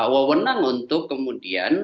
wewenang untuk kemudian